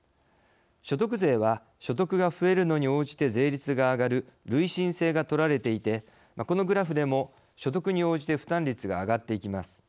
所得税は所得が増えるのに応じて税率が上がる累進性が取られていてこのグラフでも所得に応じて負担率が上がっていきます。